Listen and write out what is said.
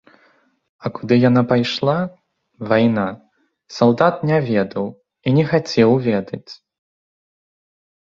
А куды яна пайшла, вайна, салдат не ведаў і не хацеў ведаць.